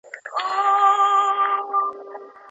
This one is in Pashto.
ورکې وسلې بازار ته رسېږي.